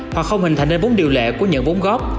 hoặc không hình thành nên bốn điều lệ của nhận vốn góp